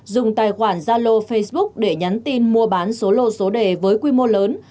dùng tài khoản gia lô facebook để nhắn tin mua bán số lô số đề với quy mô lớn